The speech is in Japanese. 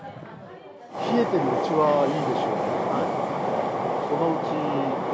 冷えてるうちはいいでしょうけどね、そのうち。